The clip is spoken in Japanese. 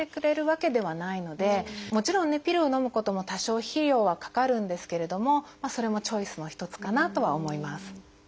もちろんねピルをのむことも多少費用はかかるんですけれどもそれもチョイスの一つかなとは思います。